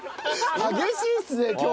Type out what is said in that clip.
激しいっすね今日。